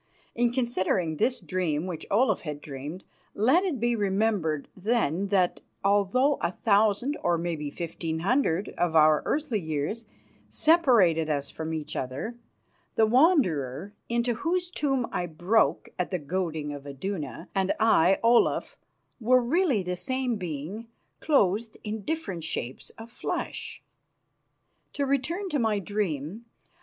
In considering this dream which Olaf dreamed, let it be remembered, then, that although a thousand, or maybe fifteen hundred, of our earthly years separated us from each other, the Wanderer, into whose tomb I broke at the goading of Iduna, and I, Olaf, were really the same being clothed in different shapes of flesh. To return to my dream.